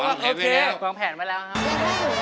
วางแผนไปแล้วครับ